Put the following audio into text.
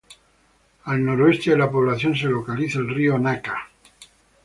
Al noreste de la población se localiza el río Naka.